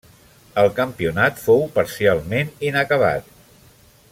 El campionat fou parcialment inacabat.